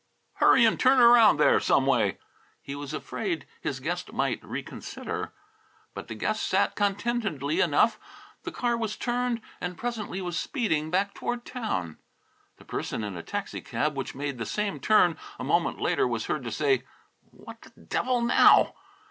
"Hurry and turn around there, someway." He was afraid his guest might reconsider. But the guest sat contentedly enough, the car was turned, and presently was speeding back toward town. The person in a taxi cab which made the same turn a moment later was heard to say, "What the devil now?"